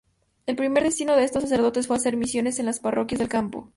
El primer destino de estos sacerdotes fue hacer misiones en las parroquias del campo.